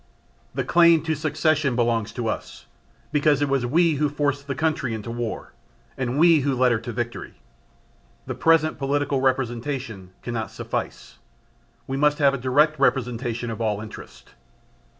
The claim to succession belongs to us, because it was we who forced the country into War and we who led her to victory. The present political representation cannot suffice: we must have a direct representation of all interest.